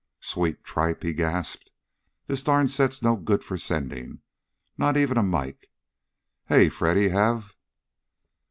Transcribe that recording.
"Sweet tripe!" he gasped. "This darn set's no good for sending. Not even a mike. Hey, Freddy, have